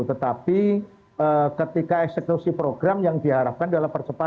tetapi ketika eksekusi program yang diharapkan adalah pak heru